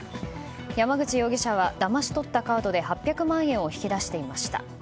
山口容疑者はだまし取ったカードで８００万円を引き出していました。